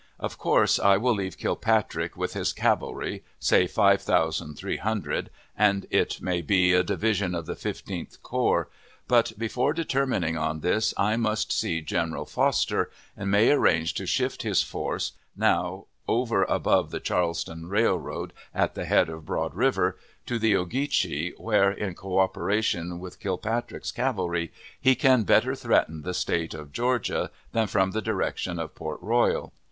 Of course, I will leave Kilpatrick, with his cavalry (say five thousand three hundred), and, it may be, a division of the Fifteenth Corps; but, before determining on this, I must see General Foster, and may arrange to shift his force (now over above the Charleston Railroad, at the head of Broad River) to the Ogeeohee, where, in cooperation with Kilpatrick's cavalry, he can better threaten the State of Georgia than from the direction of Port Royal.